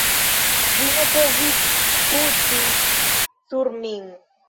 Vi ne povas sputi sur min.